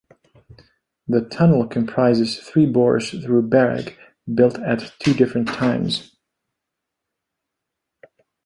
The tunnel comprises three bores through Baregg, built at two different times.